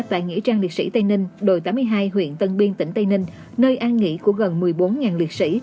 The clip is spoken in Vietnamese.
tại nghĩa trang liệt sĩ tây ninh đội tám mươi hai huyện tân biên tỉnh tây ninh nơi an nghỉ của gần một mươi bốn liệt sĩ